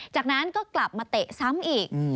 จากนั้นก็กลับมาเตะซ้ำอีก